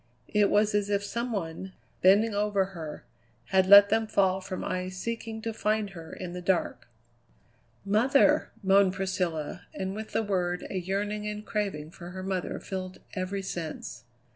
It was as if some one, bending over her, had let them fall from eyes seeking to find her in the dark. "Mother!" moaned Priscilla, and with the word a yearning and craving for her mother filled every sense.